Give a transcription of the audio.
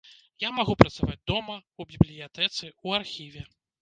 Я магу працаваць дома, у бібліятэцы, у архіве.